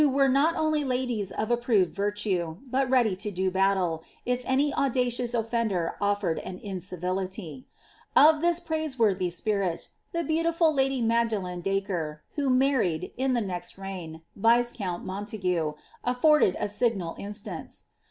were not only ladies of approved virtue, but ready in (In balile, if any , ■udarious oflVuder oJTeied an inciviliiy. Of lliis praiseworiliy H]iirit, tM brauriful laiiy Mtigdalen Dacre. who married, in llie ik>xI rei^n< viscount MonUgue, atforded a signal instance.'